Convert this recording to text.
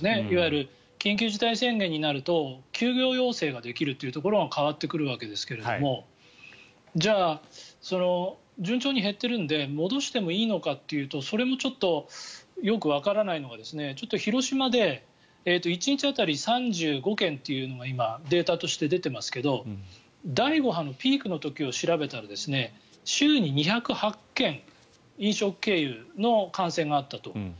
いわゆる緊急事態宣言になると休業要請はできるというところが変わってくるわけですけれどもじゃあ、順調に減っているので戻してもいいのかというとそれもちょっとよくわからないのがちょっと広島で１日当たり３５件というのが今、データとして出ていますが第５波のピークの時を調べたら週に２０８件飲食経由の感染があったと。